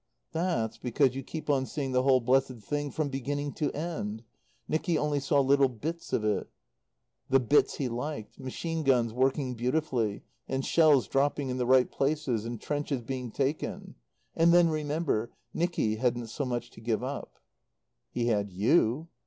"That's because you keep on seeing the whole blessed thing from beginning to end. Nicky only saw little bits of it. The bits he liked. Machine guns working beautifully, and shells dropping in the right places, and trenches being taken. "And then, remember Nicky hadn't so much to give up." "He had you."